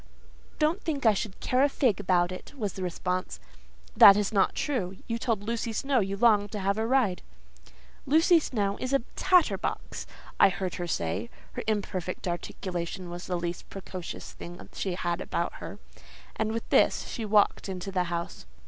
"Don't think I should care a fig about it," was the response. "That is not true. You told Lucy Snowe you longed to have a ride." "Lucy Snowe is a tatter box," I heard her say (her imperfect articulation was the least precocious thing she had about her); and with this; she walked into the house.